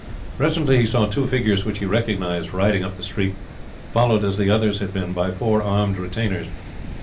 Presently he saw two figures which he recognized riding up the street, followed, as the others had been by four armed retainers.